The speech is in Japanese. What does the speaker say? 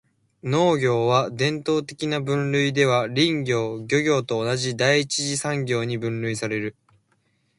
農業は、伝統的な分類では林業・漁業と同じ第一次産業に分類される。